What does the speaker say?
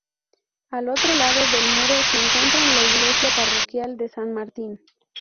Al otro lado del muro se encuentra la iglesia parroquial de San Martín.